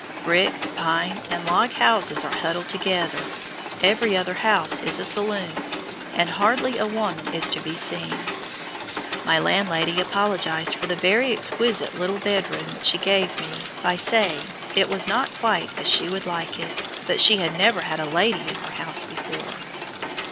Brick, pine, and log houses are huddled together, every other house is a saloon, and hardly a woman is to be seen. My landlady apologized for the very exquisite little bedroom which she gave me by saying "it was not quite as she would like it, but she had never had a lady in her house before."